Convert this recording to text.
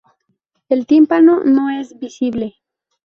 El tímpano no es visible.